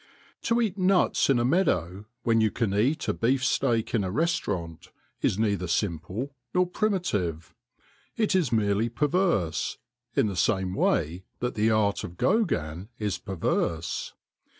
To eat nuts in a meadow when you can eat a beefsteak in a restaurant is neither simple nor primitive ; it is merely perverse, in the same way that the art of Gaugin is perverse.